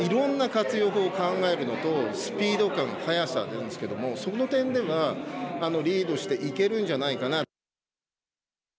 いろんな活用法を考えるのとスピード感、速さの点ではその点ではリードしていけるんじゃないかなと。